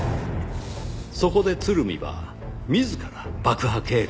そこで鶴見は自ら爆破計画を立てた。